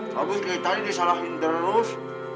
habis keitanya disalahin terus